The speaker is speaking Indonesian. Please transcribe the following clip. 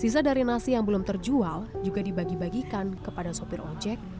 sisa dari nasi yang belum terjual juga dibagi bagikan kepada sopir ojek